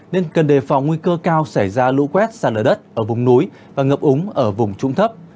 nên cần đề phòng nguy cơ cao xảy ra lũ quét sàn ở đất ở vùng núi và ngập úng ở vùng trụng thấp